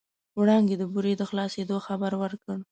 وړانګې د بورې د خلاصېدو خبر ورکړ.